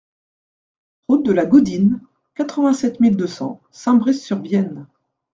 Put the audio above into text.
Route de la Gaudine, quatre-vingt-sept mille deux cents Saint-Brice-sur-Vienne